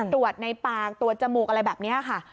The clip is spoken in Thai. ตรวจในปากตรวจจมูกอะไรแบบนี้ค่ะ